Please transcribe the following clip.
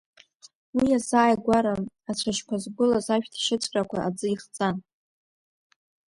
Уи азааигәара, ацәашьқәа згәылаз ашәҭшьыҵәрақәа аӡы ихҵан.